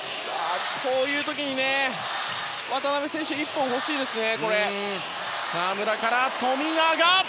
こういう時に渡邊選手が１本欲しいですね。